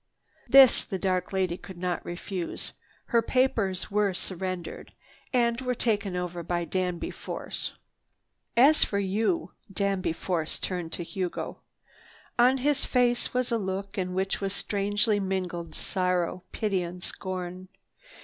This the dark lady could not refuse. Her papers were surrendered and were taken over by Danby Force. "As for you!" Danby Force turned to Hugo. On his face was a look in which was strangely mingled sorrow, pity and scorn.